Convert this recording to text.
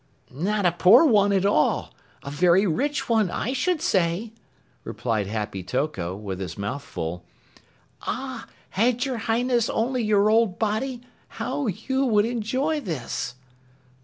"Not a poor one at all. A very rich one, I should say," replied Happy Toko with his mouth full. "Ah, had your Highness only your old body, how you would enjoy this!"